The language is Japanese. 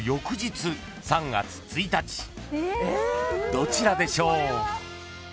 ［どちらでしょう？］